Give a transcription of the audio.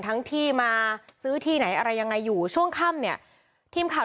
ทั้งที่มาซื้อที่ไหนอะไรยังไงอยู่ช่วงค่ำเนี่ยทีมข่าว